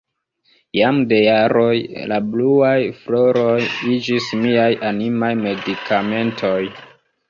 Jam de jaroj la bluaj floroj iĝis miaj animaj medikamentoj.